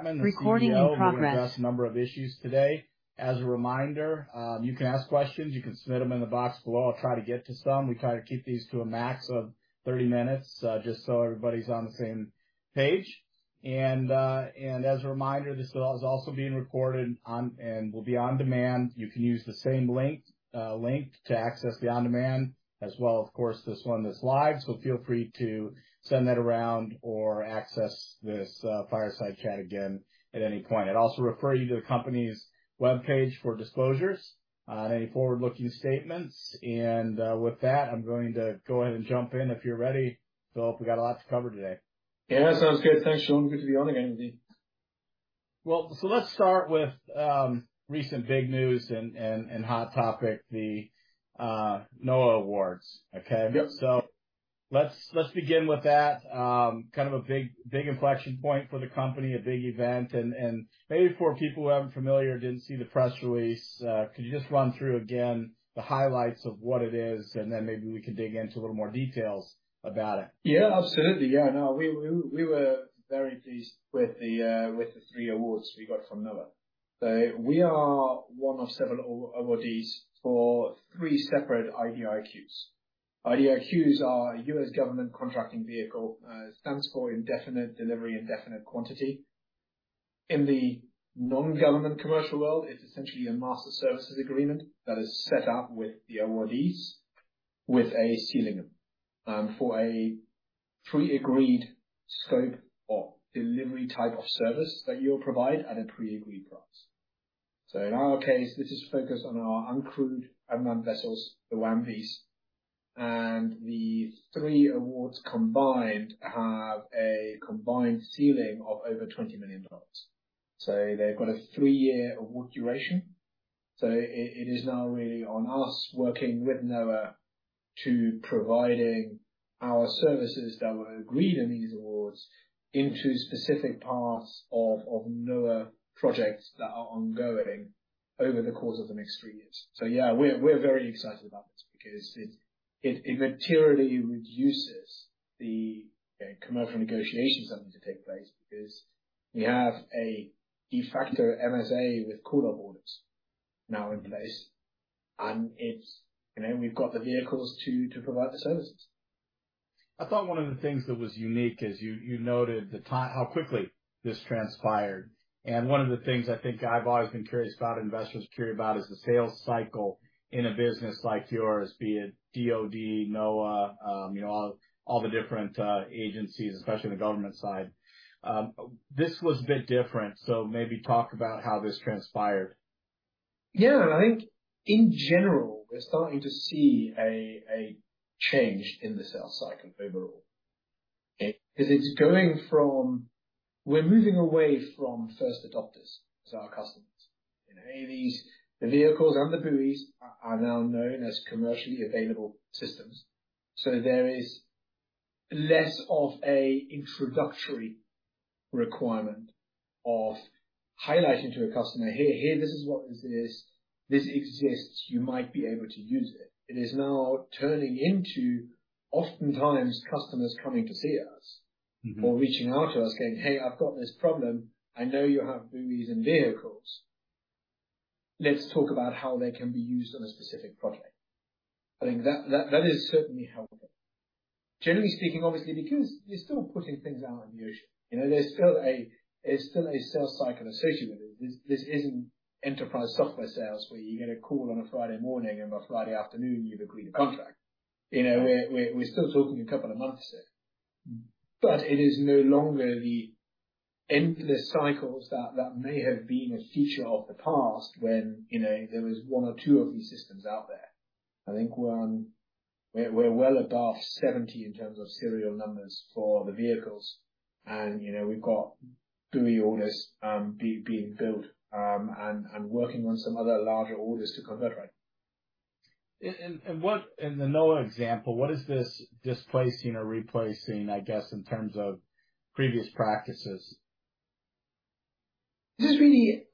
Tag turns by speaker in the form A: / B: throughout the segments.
A: Recording in progress.
B: We're gonna address a number of issues today. As a reminder, you can ask questions, you can submit them in the box below. I'll try to get to some. We try to keep these to a max of 30 minutes, just so everybody's on the same page. As a reminder, this is also being recorded on and will be on demand. You can use the same link, link, to access the on-demand as well, of course, this one that's live. Feel free to send that around or access this fireside chat again at any point. I'd also refer you to the company's webpage for disclosures on any forward-looking statements. With that, I'm going to go ahead and jump in if you're ready, Philipp. We got a lot to cover today.
A: Yeah. Sounds good. Thanks, Shawn. Good to be on again with you.
B: Well, so let's start with recent big news and hot topic, the NOAA awards. Okay? Yep. So let's, let's begin with that. Kind of a big, big inflection point for the company, a big event, and, and maybe for people who aren't familiar, didn't see the press release, could you just run through again the highlights of what it is, and then maybe we can dig into a little more details about it?
A: Yeah, absolutely. Yeah, no, we were very pleased with the three awards we got from NOAA. So we are one of several awardees for three separate IDIQs. IDIQs are a U.S. government contracting vehicle, stands for Indefinite Delivery, Indefinite Quantity. In the non-government commercial world, it's essentially a master services agreement that is set up with the awardees, with a ceiling, for a pre-agreed scope or delivery type of service that you'll provide at a pre-agreed price. So in our case, this is focused on our uncrewed unmanned vessels, the WAM-Vs, and the three awards combined have a combined ceiling of over $20 million. So they've got a three-year award duration. So it is now really on us working with NOAA to providing our services that were agreed in these awards into specific parts of NOAA projects that are ongoing over the course of the next three years. So yeah, we're very excited about this because it materially reduces the commercial negotiations that need to take place because we have a de facto MSA with call-off orders now in place, and it's, you know, we've got the vehicles to provide the services.
B: I thought one of the things that was unique is you, you noted the time, how quickly this transpired. One of the things I think I've always been curious about, investors are curious about, is the sales cycle in a business like yours, be it DoD, NOAA, you know, all, all the different agencies, especially on the government side. This was a bit different, so maybe talk about how this transpired.
A: Yeah. I think in general, we're starting to see a change in the sales cycle overall. Because it's going from... We're moving away from first adopters to our customers. You know, these, the vehicles and the buoys are now known as commercially available systems, so there is less of a introductory requirement of highlighting to a customer, "Hey, here, this is what is this. This exists, you might be able to use it." It is now turning into, oftentimes, customers coming to see us-
B: Mm-hmm.
A: or reaching out to us saying, "Hey, I've got this problem. I know you have buoys and vehicles. Let's talk about how they can be used on a specific project." I think that is certainly helping. Generally speaking, obviously, because you're still putting things out on the ocean, you know, there's still a sales cycle associated with it. This isn't enterprise software sales, where you get a call on a Friday morning, and by Friday afternoon you've agreed a contract. You know, we're still talking a couple of months there. But it is no longer the endless cycles that may have been a feature of the past when, you know, there was one or two of these systems out there. I think we're on... We're well above 70 in terms of serial numbers for the vehicles and, you know, we've got buoy orders being built and working on some other larger orders to come that way.
B: In the NOAA example, what is this displacing or replacing, I guess, in terms of previous practices?
A: This is really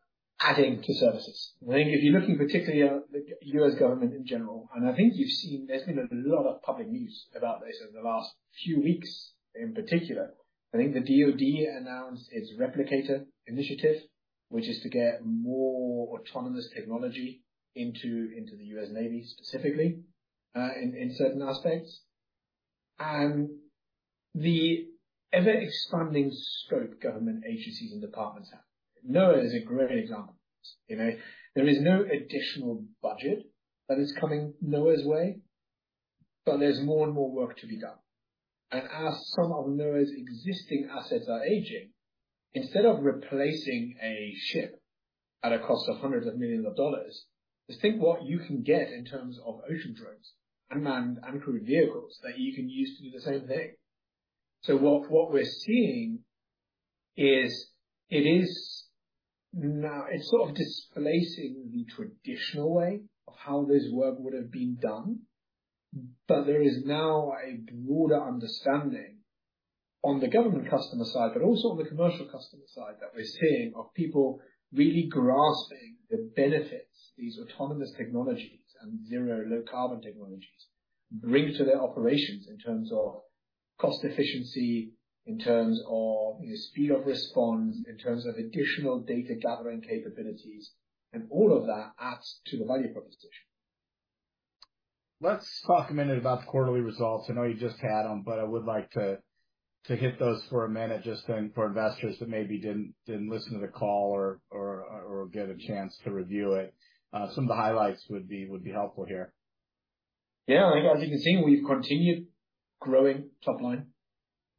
A: adding to services. I think if you're looking particularly at the U.S. government in general, and I think you've seen, there's been a lot of public news about this in the last few weeks, in particular. I think the DoD announced its Replicator initiative, which is to get more autonomous technology into the U.S. Navy, specifically, in certain aspects, and the ever-expanding scope government agencies and departments have. NOAA is a great example. You know, there is no additional budget that is coming NOAA's way, but there's more and more work to be done. As some of NOAA's existing assets are aging, instead of replacing a ship at a cost of hundreds of millions of dollars, just think what you can get in terms of ocean drones, unmanned, uncrewed vehicles that you can use to do the same thing. So what we're seeing is, it's sort of displacing the traditional way of how this work would have been done, but there is now a broader understanding on the government customer side, but also on the commercial customer side, that we're seeing of people really grasping the benefits these autonomous technologies and zero low-carbon technologies bring to their operations in terms of cost efficiency, in terms of the speed of response, in terms of additional data gathering capabilities, and all of that adds to the value proposition.
B: Let's talk a minute about the quarterly results. I know you just had them, but I would like to hit those for a minute, just for investors that maybe didn't listen to the call or get a chance to review it. Some of the highlights would be helpful here.
A: Yeah, I think as you can see, we've continued growing top line.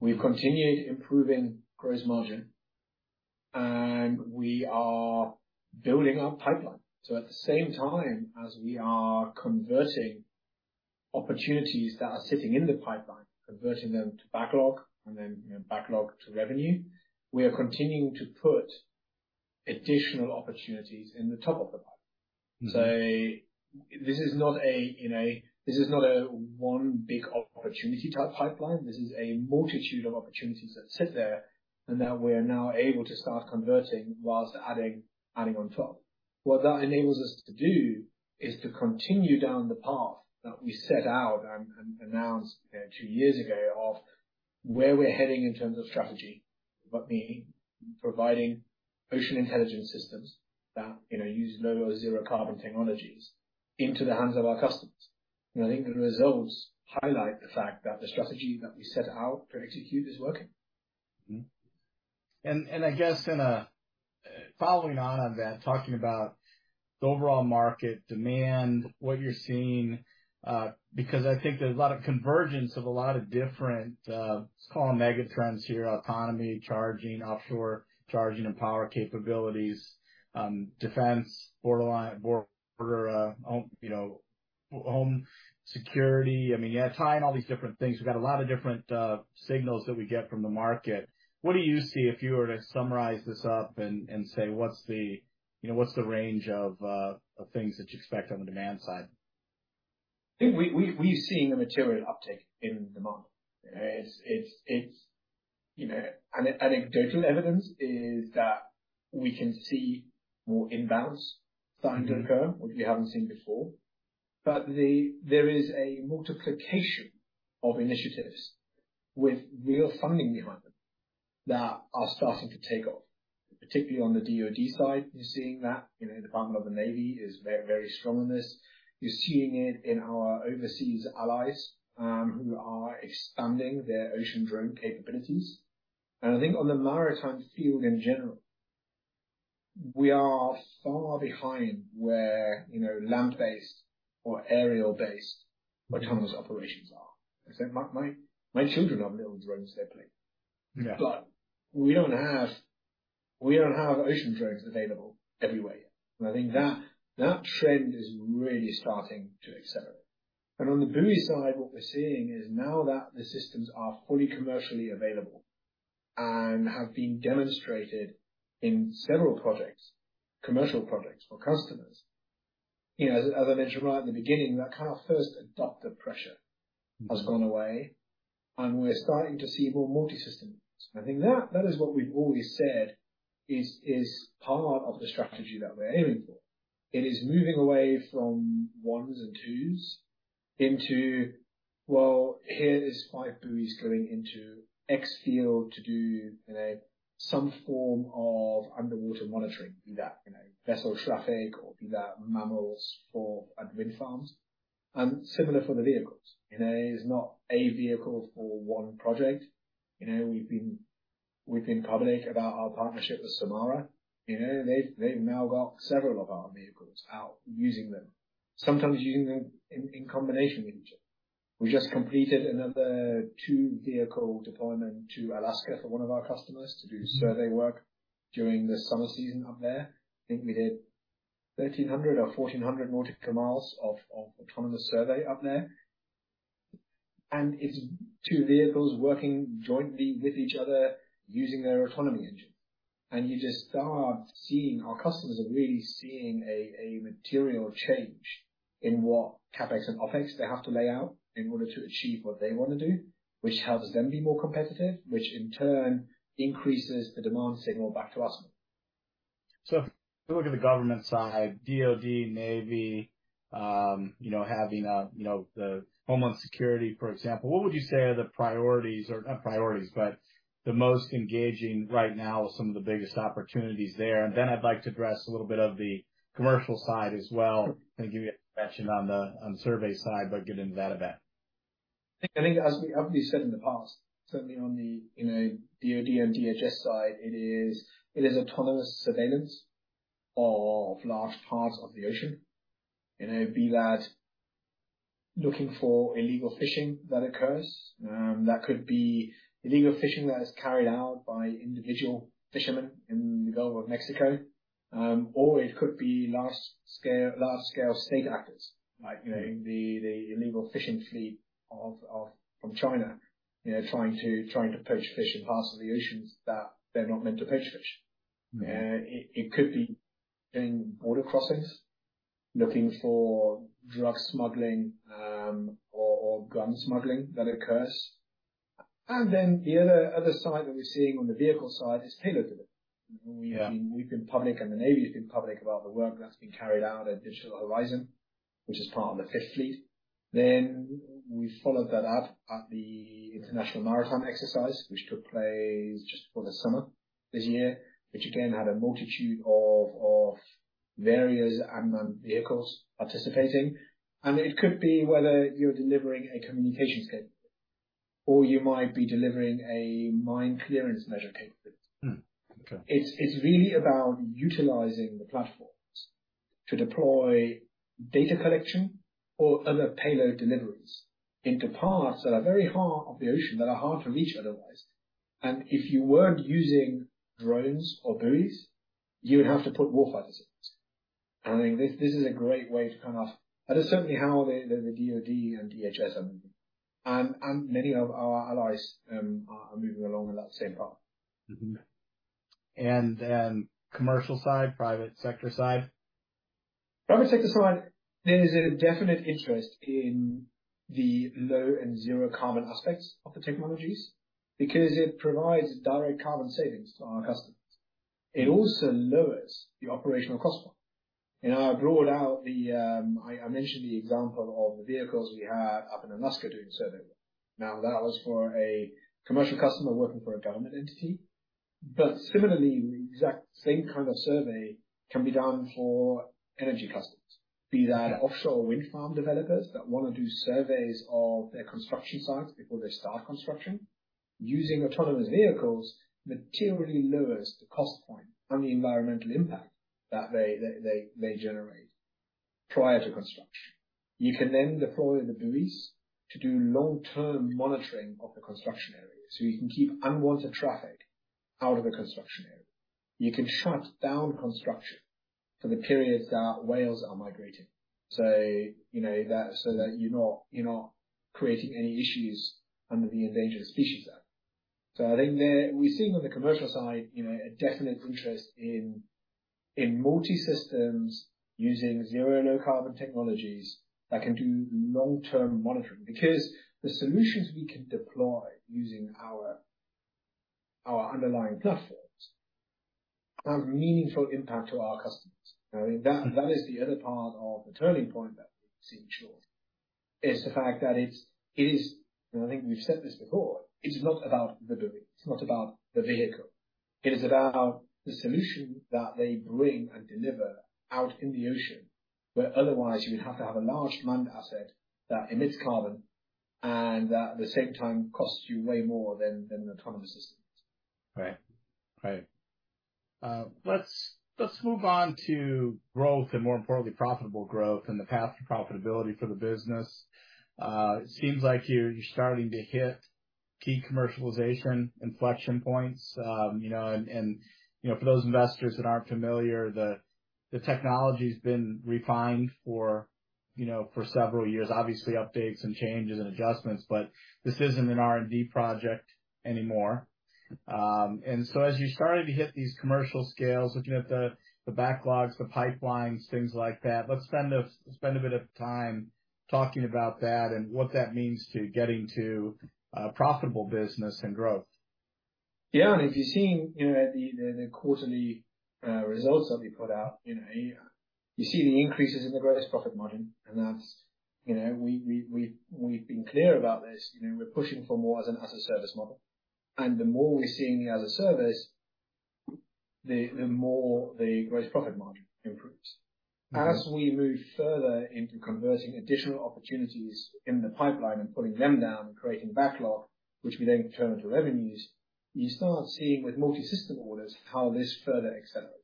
A: We've continued improving gross margin, and we are building our pipeline. So at the same time as we are converting opportunities that are sitting in the pipeline, converting them to backlog and then, you know, backlog to revenue, we are continuing to put additional opportunities in the top of the pipe.
B: Mm-hmm.
A: So this is not a, you know, this is not a one big opportunity-type pipeline. This is a multitude of opportunities that sit there and that we are now able to start converting whilst adding, adding on top. What that enables us to do is to continue down the path that we set out and, and announced, you know, two years ago of where we're heading in terms of strategy, but meaning providing ocean intelligence systems that, you know, use low or zero carbon technologies into the hands of our customers. You know, I think the results highlight the fact that the strategy that we set out to execute is working.
B: Mm-hmm. And I guess in a, following on that, talking about the overall market demand, what you're seeing, because I think there's a lot of convergence of a lot of different, let's call them megatrends here, autonomy, charging, offshore charging and power capabilities, defense, border, home, you know, home security. I mean, you have tying all these different things. We've got a lot of different, signals that we get from the market. What do you see if you were to summarize this up and say, what's the, you know, what's the range of, of things that you expect on the demand side?
A: I think we're seeing a material uptick in demand. It's you know, anecdotal evidence is that we can see more inbounds starting to occur, which we haven't seen before. But there is a multiplication of initiatives with real funding behind them that are starting to take off, particularly on the DoD side, you're seeing that. You know, the Department of the Navy is very, very strong on this. You're seeing it in our overseas allies, who are expanding their ocean drone capabilities. And I think on the maritime field in general, we are far behind where, you know, land-based or aerial-based autonomous operations are. So my children have little drones they play.
B: Yeah.
A: But we don't have ocean drones available everywhere. And I think that trend is really starting to accelerate. And on the buoy side, what we're seeing is now that the systems are fully commercially available and have been demonstrated in several projects, commercial projects for customers, you know, as I mentioned right at the beginning, that kind of first adopter pressure-
B: Mm-hmm...
A: has gone away, and we're starting to see more multisystem. I think that, that is what we've always said is, is part of the strategy that we're aiming for. It is moving away from 1s and 2s into, well, here is 5 buoys going into X field to do, you know, some form of underwater monitoring, be that, you know, vessel traffic or be that mammals or at wind farms. And similar for the vehicles. You know, it is not a vehicle for one project. You know, we've been, we've been public about our partnership with Sulmara. You know, they've, they've now got several of our vehicles out using them, sometimes using them in, in combination with each other. We just completed another 2-vehicle deployment to Alaska for one of our customers to do survey work during the summer season up there. I think we did 1,300 or 1,400 nautical miles of autonomous survey up there. It's two vehicles working jointly with each other, using their autonomy engine. You just start seeing, our customers are really seeing a material change in what CapEx and OpEx they have to lay out in order to achieve what they want to do, which helps them be more competitive, which in turn increases the demand signal back to us.
B: So if you look at the government side, DoD, Navy, you know, Homeland Security, for example, what would you say are the priorities or priorities, but the most engaging right now, some of the biggest opportunities there? And then I'd like to address a little bit of the commercial side as well. I'm gonna give you a mention on the survey side, but get into that a bit.
A: I think, as we, as we said in the past, certainly on the, you know, DoD and DHS side, it is, it is autonomous surveillance of large parts of the ocean. You know, be that looking for illegal fishing that occurs, that could be illegal fishing that is carried out by individual fishermen in the Gulf of Mexico, or it could be large-scale, large-scale state actors, like, you know, in the, the illegal fishing fleet of, of, from China, you know, trying to, trying to poach fish in parts of the oceans that they're not meant to poach fish.
B: Mm-hmm.
A: It could be in border crossings, looking for drug smuggling, or gun smuggling that occurs. And then the other side that we're seeing on the vehicle side is payload to it.
B: Yeah.
A: We've been public, and the Navy has been public about the work that's been carried out at Digital Horizon, which is part of the Fifth Fleet. We followed that up at the International Maritime Exercise, which took place just before the summer this year, which again had a multitude of various unmanned vehicles participating. It could be whether you're delivering a communications capability or you might be delivering a mine clearance measure capability.
B: Hmm. Okay.
A: It's really about utilizing the platforms to deploy data collection or other payload deliveries into parts that are very hard of the ocean, that are hard to reach otherwise. And if you weren't using drones or buoys, you would have to put warfighters in. And I think this is a great way to kind of... That is certainly how the DoD and DHS are moving, and many of our allies are moving along with that same path.
B: Mm-hmm. And then, commercial side, private sector side?
A: Private sector side, there is a definite interest in the low and zero carbon aspects of the technologies because it provides direct carbon savings to our customers. It also lowers the operational cost model. You know, I mentioned the example of the vehicles we had up in Alaska doing survey work. Now, that was for a commercial customer working for a government entity, but similarly, the exact same kind of survey can be done for energy customers, be that offshore wind farm developers that want to do surveys of their construction sites before they start construction. Using autonomous vehicles materially lowers the cost point and the environmental impact that they generate prior to construction. You can then deploy the buoys to do long-term monitoring of the construction area, so you can keep unwanted traffic out of the construction area. You can shut down construction for the periods that whales are migrating, so you know that, so that you're not, you're not creating any issues under the Endangered Species Act. So I think there, we're seeing on the commercial side, you know, a definite interest in, in multi-systems using zero and low carbon technologies that can do long-term monitoring. Because the solutions we can deploy using our, our underlying platforms have meaningful impact to our customers. You know, that, that is the other part of the turning point that we've seen short, is the fact that it's, it is, and I think we've said this before, it's not about the buoy, it's not about the vehicle. It is about the solution that they bring and deliver out in the ocean, where otherwise you would have to have a large manned asset that emits carbon and that at the same time costs you way more than the autonomous systems.
B: Right. Right. Let's move on to growth and more importantly, profitable growth and the path to profitability for the business. It seems like you're starting to hit key commercialization inflection points. You know, and you know, for those investors that aren't familiar, the technology's been refined for, you know, for several years. Obviously, updates and changes and adjustments, but this isn't an R&D project anymore. And so as you're starting to hit these commercial scales, looking at the backlogs, the pipelines, things like that, let's spend a bit of time talking about that and what that means to getting to a profitable business and growth.
A: Yeah, and if you've seen, you know, the quarterly results that we put out, you know, you see the increases in the gross profit margin, and that's, you know, we've been clear about this. You know, we're pushing for more as an as-a-service model, and the more we're seeing the as-a-service, the more the gross profit margin improves.
B: Mm-hmm.
A: As we move further into converting additional opportunities in the pipeline and putting them down and creating backlog, which we then turn into revenues, you start seeing with multi-system orders, how this further accelerates.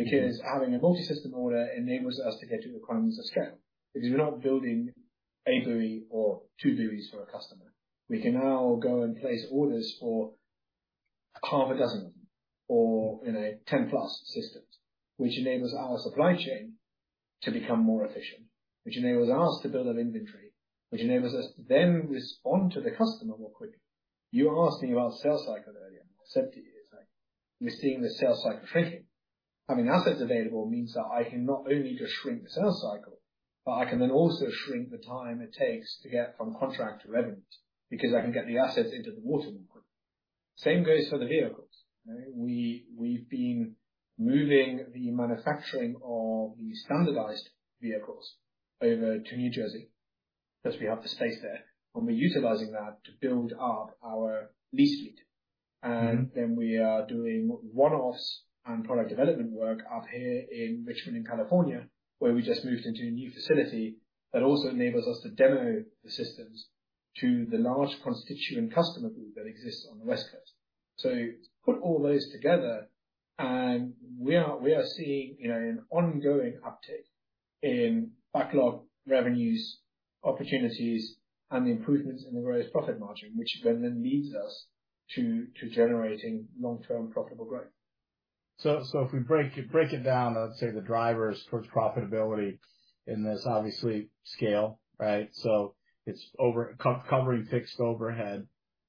B: Mm-hmm.
A: Because having a multi-system order enables us to get economies of scale. Because we're not building a buoy or two buoys for a customer. We can now go and place orders for half a dozen of them, or, you know, 10+ systems, which enables our supply chain to become more efficient, which enables us to build an inventory, which enables us to then respond to the customer more quickly. You were asking about sales cycle earlier. I said to you, like, we're seeing the sales cycle shrinking. Having assets available means that I can not only just shrink the sales cycle, but I can then also shrink the time it takes to get from contract to revenues, because I can get the assets into the water more quickly. Same goes for the vehicles. You know, we've been moving the manufacturing of the standardized vehicles over to New Jersey, because we have the space there, and we're utilizing that to build up our lease fleet.
B: Mm-hmm.
A: And then we are doing one-offs and product development work up here in Richmond, in California, where we just moved into a new facility that also enables us to demo the systems to the large constituent customer group that exists on the West Coast. So put all those together, and we are, we are seeing, you know, an ongoing uptick in backlog revenues, opportunities, and improvements in the various profit margin, which then, then leads us to, to generating long-term profitable growth.
B: So if we break it down, let's say the drivers towards profitability in this obviously scale, right? So it's over-covering fixed overhead.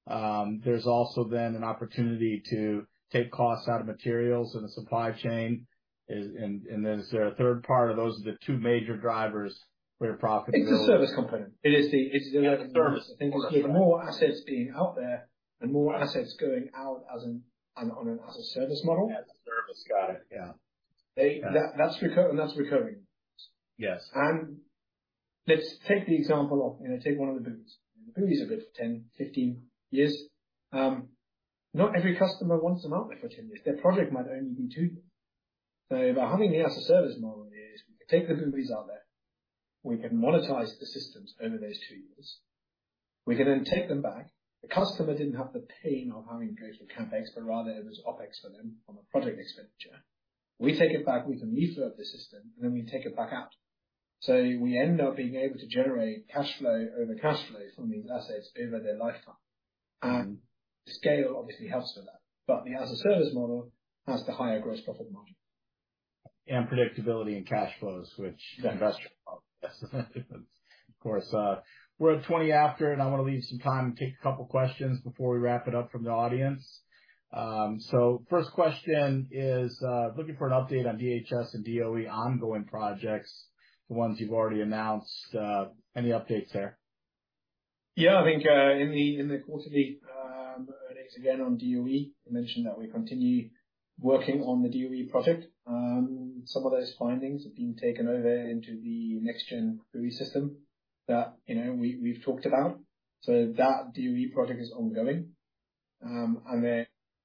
B: There's also then an opportunity to take costs out of materials in the supply chain. And then is there a third part, or those are the two major drivers for your profit?
A: It's a service company. It is, it's a service. I think with more assets being out there and more assets going out as a service model.
B: As a service, got it. Yeah.
A: That, that's recurring, and that's recurring.
B: Yes.
A: And let's take the example of, you know, take one of the buoys. The buoy is good for 10, 15 years. Not every customer wants them out there for 10 years. Their project might only be two years. So by having the as-a-service model is, we can take the buoys out there, we can monetize the systems over those two years. We can then take them back. The customer didn't have the pain of having to go to the CapEx, but rather it was OpEx for them on a project expenditure. We take it back, we can refurb the system, and then we take it back out. So we end up being able to generate cash flow over cash flow from these assets over their lifetime. And scale obviously helps with that. But the as-a-service model has the higher gross profit margin.
B: And predictability in cash flows, which the investors love. Of course. We're at 20 after, and I want to leave some time to take a couple questions before we wrap it up from the audience. So first question is, looking for an update on DHS and DOE ongoing projects, the ones you've already announced. Any updates there?
A: Yeah, I think in the quarterly earnings, again, on DOE, we mentioned that we continue working on the DOE project. Some of those findings have been taken over into the next-gen buoy system that, you know, we've talked about. So that DOE project is ongoing.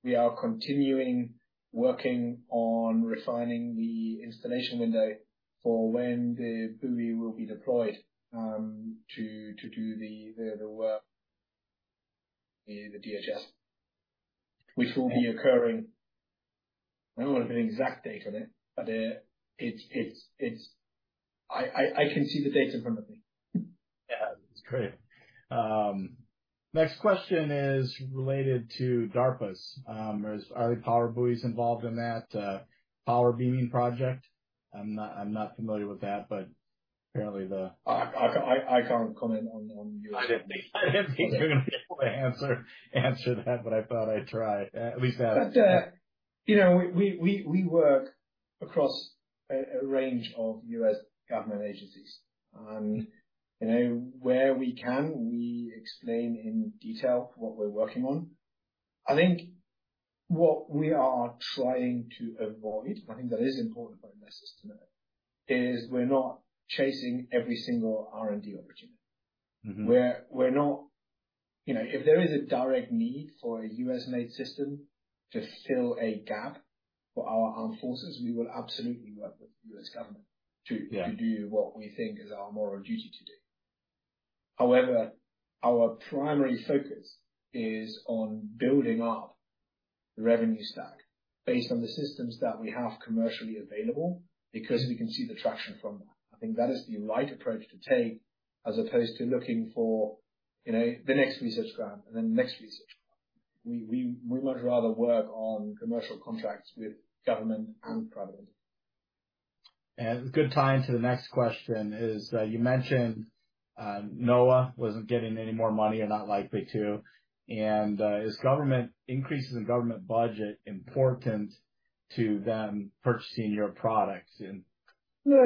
A: We are continuing working on refining the installation window for when the buoy will be deployed, you know, to do the work in the DHS, which will be occurring... I don't have an exact date on it, but it's, it's, I can see the date in front of me.
B: Yeah. It's great. Next question is related to DARPA's. Are the PowerBuoys involved in that, Power Beaming project? I'm not, I'm not familiar with that, but apparently the-
A: I can't comment on U.S.-
B: I didn't think you were gonna be able to answer that, but I thought I'd try, at least ask.
A: But, you know, we work across a range of U.S. government agencies. You know, where we can, we explain in detail what we're working on. I think what we are trying to avoid, I think that is important for investors to know, is we're not chasing every single R&D opportunity.
B: Mm-hmm.
A: We're not... You know, if there is a direct need for a U.S.-made system to fill a gap for our armed forces, we will absolutely work with the U.S. government-
B: Yeah...
A: to do what we think is our moral duty to do. However, our primary focus is on building up the revenue stack based on the systems that we have commercially available, because we can see the traction from that. I think that is the right approach to take, as opposed to looking for, you know, the next research grant and the next research grant. We would much rather work on commercial contracts with government and private.
B: And a good time to the next question is, you mentioned, NOAA wasn't getting any more money or not likely to, and, is government increases in government budget important to them purchasing your products and-
A: No,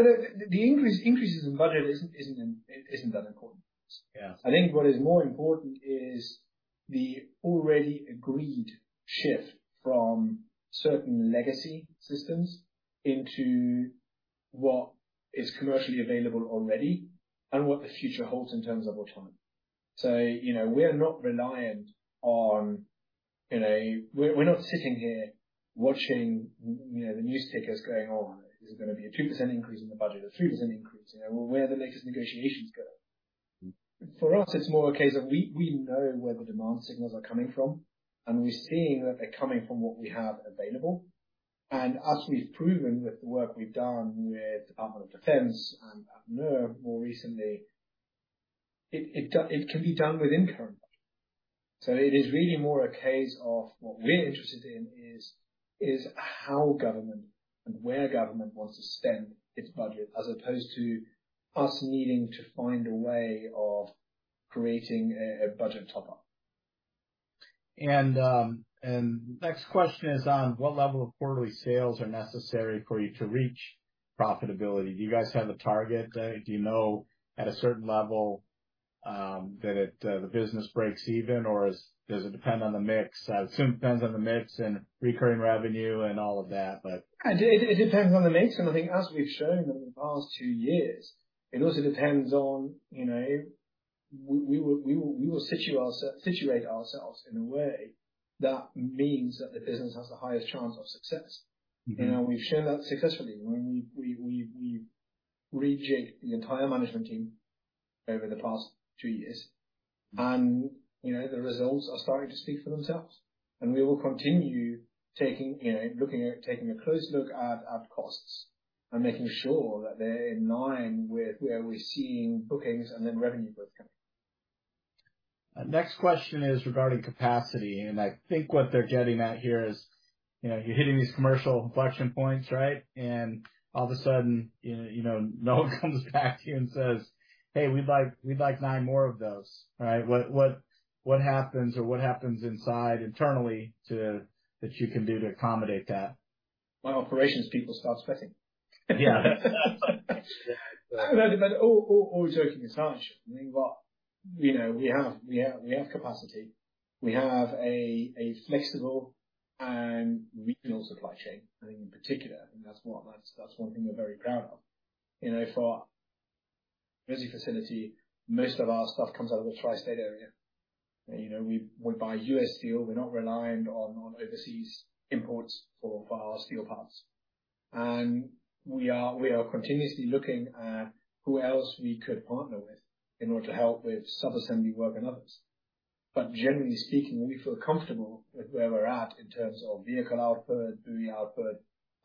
A: the increases in budget isn't that important to us.
B: Yeah.
A: I think what is more important is the already agreed shift from certain legacy systems into what is commercially available already and what the future holds in terms of autonomy. You know, we are not reliant on, you know... We're, we're not sitting here watching, you know, the news tickers going on. Is it gonna be a 2% increase in the budget, a 3% increase? You know, where are the latest negotiations going? For us, it's more a case of we, we know where the demand signals are coming from, and we're seeing that they're coming from what we have available. And as we've proven with the work we've done with Department of Defense and NOAA more recently, it, it do, it can be done within current budget. It is really more a case of what we're interested in is how government and where government wants to spend its budget, as opposed to us needing to find a way of creating a budget top-up.
B: Next question is on, what level of quarterly sales are necessary for you to reach profitability? Do you guys have a target? Do you know at a certain level that it, the business breaks even, or does it depend on the mix? It depends on the mix and recurring revenue and all of that, but-
A: It depends on the mix, and I think as we've shown over the past two years, it also depends on, you know, we will situate ourselves in a way that means that the business has the highest chance of success.
B: Mm-hmm.
A: You know, we've shown that successfully. When we rejigged the entire management team over the past two years, and, you know, the results are starting to speak for themselves. We will continue taking, you know, looking at, taking a close look at our costs and making sure that they're in line with where we're seeing bookings and then revenue growth coming.
B: Next question is regarding capacity, and I think what they're getting at here is... You know, you're hitting these commercial inflection points, right? And all of a sudden, you know, you know, no one comes back to you and says, "Hey, we'd like, we'd like 9 more of those." Right? What, what, what happens or what happens inside internally to-- that you can do to accommodate that?
A: My operations people start sweating.
B: Yeah.
A: But all joking aside, I mean, you know, we have capacity. We have a flexible and regional supply chain, I think, in particular, and that's one thing we're very proud of. You know, for our busy facility, most of our stuff comes out of the Tri-State Area. You know, we buy U.S. steel. We're not reliant on overseas imports for our steel parts. And we are continuously looking at who else we could partner with in order to help with sub-assembly work and others. But generally speaking, we feel comfortable with where we're at in terms of vehicle output, buoy output,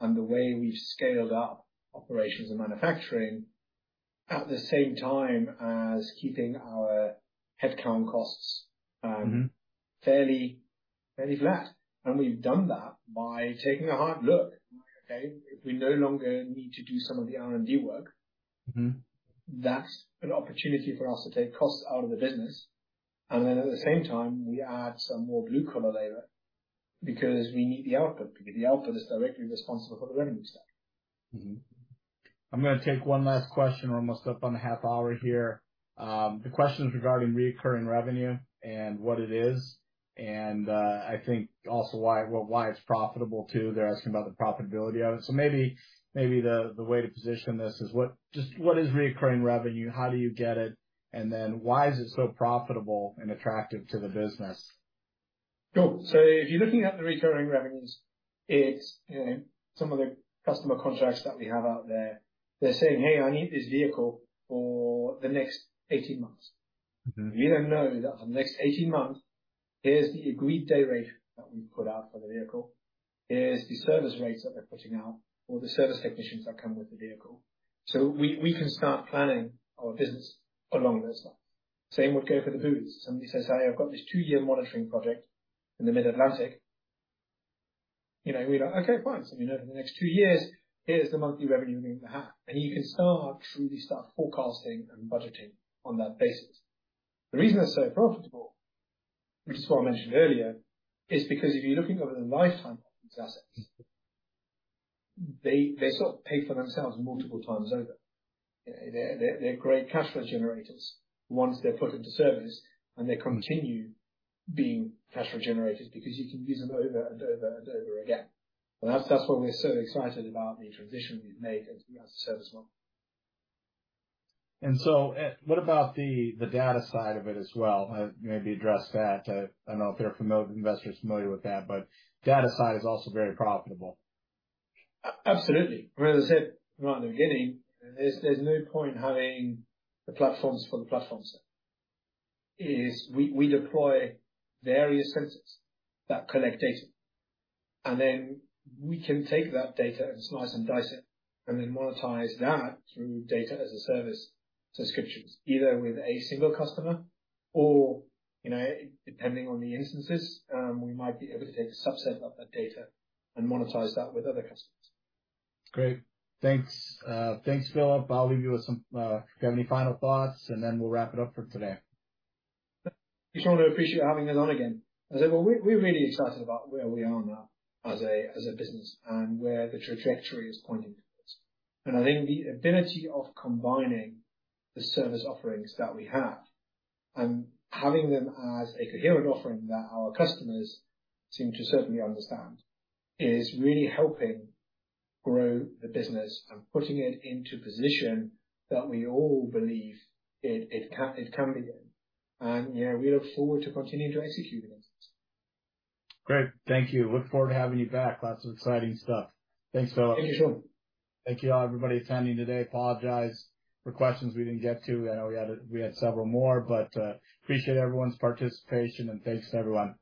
A: and the way we've scaled up operations and manufacturing, at the same time as keeping our headcount costs-
B: Mm-hmm.
A: Fairly, fairly flat. We've done that by taking a hard look. Okay, if we no longer need to do some of the R&D work—
B: Mm-hmm.
A: That's an opportunity for us to take costs out of the business. And then, at the same time, we add some more blue-collar labor because we need the output, because the output is directly responsible for the revenue side.
B: Mm-hmm. I'm gonna take one last question. We're almost up on the half hour here. The question is regarding recurring revenue and what it is, and I think also why, well, why it's profitable, too. They're asking about the profitability of it. So maybe the way to position this is what... Just what is recurring revenue? How do you get it? And then why is it so profitable and attractive to the business?
A: Cool. So if you're looking at the recurring revenues, it's, you know, some of the customer contracts that we have out there. They're saying, "Hey, I need this vehicle for the next 18 months.
B: Mm-hmm.
A: We then know that for the next 18 months, here's the agreed day rate that we've put out for the vehicle, here's the service rates that they're putting out, or the service technicians that come with the vehicle. So we, we can start planning our business along those lines. Same would go for the buoys. Somebody says, "Hey, I've got this 2-year monitoring project in the Mid-Atlantic." You know, we're like, "Okay, fine." So we know for the next 2 years, here's the monthly revenue we're going to have, and you can start to really start forecasting and budgeting on that basis. The reason it's so profitable, which is what I mentioned earlier, is because if you're looking over the lifetime of these assets, they, they sort of pay for themselves multiple times over. They're great cash flow generators once they're put into service, and they continue being cash flow generators because you can use them over and over and over again. And that's what we're so excited about the transition we've made as a service model.
B: And so, what about the data side of it as well? Maybe address that. I don't know if they're familiar, investors are familiar with that, but data side is also very profitable.
A: Absolutely. Well, as I said right at the beginning, there's no point in having the platforms for the platforms. We deploy various sensors that collect data, and then we can take that data and slice and dice it, and then monetize that through data as a service subscriptions, either with a single customer or, you know, depending on the instances, we might be able to take a subset of that data and monetize that with other customers.
B: Great. Thanks. Thanks, Philipp. I'll leave you with some... Do you have any final thoughts? And then we'll wrap it up for today.
A: Just want to appreciate you having me on again. As I said, we're really excited about where we are now as a business and where the trajectory is pointing to us. I think the ability of combining the service offerings that we have and having them as a coherent offering that our customers seem to certainly understand is really helping grow the business and putting it into a position that we all believe it can be in. You know, we look forward to continuing to execute with this.
B: Great. Thank you. Look forward to having you back. Lots of exciting stuff. Thanks, Philipp.
A: Thank you, Shawn.
B: Thank you, all, everybody attending today. Apologize for questions we didn't get to. I know we had several more, but appreciate everyone's participation and thanks to everyone.